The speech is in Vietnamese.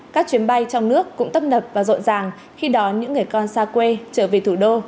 các chuyến bay trong nước cũng tấp nập và rộn ràng khi đón những người con xa quê trở về thủ đô